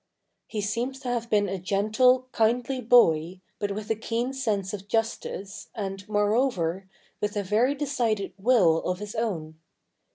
He seems to have been a gentle, kindly boy, but with a keen sense of justice and, moreover, with a very decided will of his own.